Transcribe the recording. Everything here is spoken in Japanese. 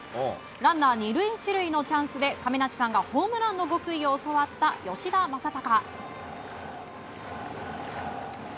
ランナー２塁１塁のチャンスで亀梨さんがホームランの極意を教わった吉田正尚。